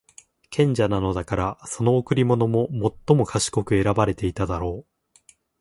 賢者なのだから、その贈り物も最も賢く選ばていただろう。